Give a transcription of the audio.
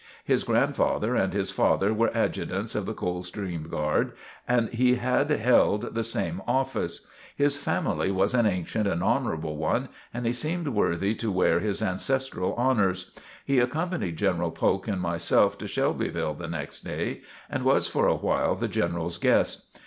His grandfather and his father were adjutants of the Coldstream Guard, and he had held the same office. His family was an ancient and honorable one, and he seemed worthy to wear his ancestral honors. He accompanied General Polk and myself to Shelbyville the next day, and was for a while the General's guest.